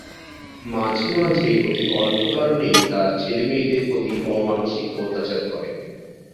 মাঝে মাঝেই অতি অল্প কারণেই তার ছেলে-মেয়েদের প্রতি অমানুষিক অত্যাচার করে।